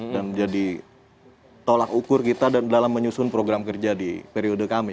dan jadi tolak ukur kita dalam menyusun program kerja di periode kami